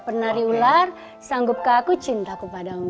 penari ular sanggup kak aku cinta ku padamu